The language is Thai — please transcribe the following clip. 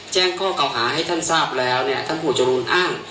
แจ้งข้อเก่าหาให้ท่านทราบแล้วเนี่ยท่านหวดจรูนอ้าง